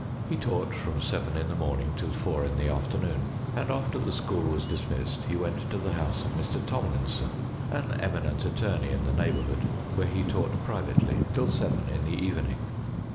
He taught from seven in the morning, till four in the afternoon; and after the school was dismissed, he went to the house of Mr. TomlinsoD, an eminent attorney in the neigh bourhood, where he taught privately till seven ia the evening.